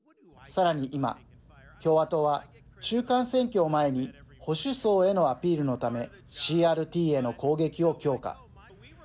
さらに今共和党は中間選挙を前に保守層へのアピールのためＣＲＴへの攻撃を強化。